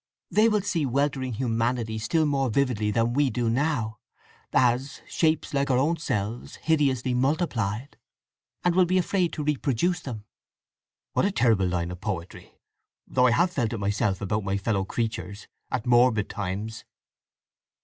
They will see weltering humanity still more vividly than we do now, as Shapes like our own selves hideously multiplied, and will be afraid to reproduce them." "What a terrible line of poetry! … though I have felt it myself about my fellow creatures, at morbid times."